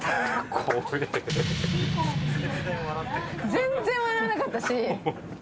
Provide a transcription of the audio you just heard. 全然笑わなかったし。